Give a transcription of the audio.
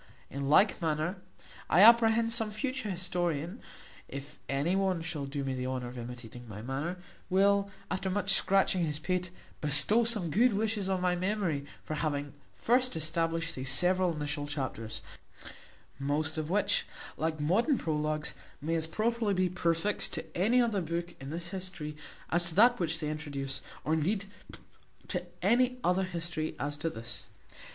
In like manner I apprehend, some future historian (if any one shall do me the honour of imitating my manner) will, after much scratching his pate, bestow some good wishes on my memory, for having first established these several initial chapters; most of which, like modern prologues, may as properly be prefixed to any other book in this history as to that which they introduce, or indeed to any other history as to this.